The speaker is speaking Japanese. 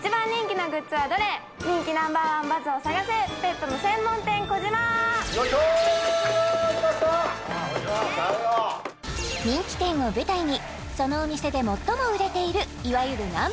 きました人気店を舞台にそのお店で最も売れているいわゆるＮｏ．１